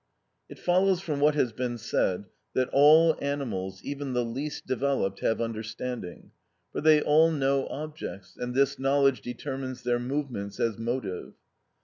It follows from what has been said, that all animals, even the least developed, have understanding; for they all know objects, and this knowledge determines their movements as motive.